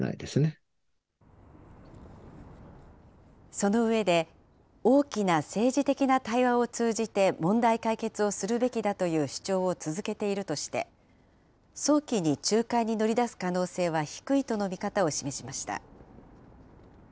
その上で、大きな政治的な対話を通じて、問題解決をするべきだという主張を続けているとして、早期に仲介に乗り出す可能性は低いとの見方を示しました。